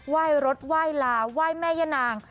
ยรถไหว้ลาไหว้แม่ยะนาง